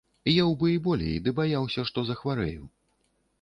Еў бы і болей, ды баяўся, што захварэю.